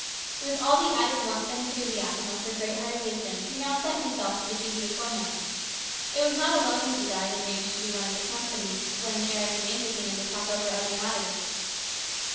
With all the added warmth and enthusiasm of her great hearted wisdom he now set himself to the duty before him. It was not alone his desire that Rhena should be one of the company when Eric and Andrew came in to talk over matters.